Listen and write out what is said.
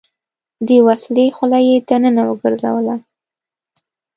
د وسلې خوله يې دننه وګرځوله.